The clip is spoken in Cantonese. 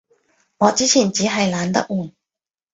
我之前衹係懶得換